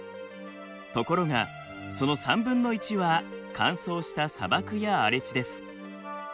ところがその３分の１は乾燥した砂漠や荒れ地です。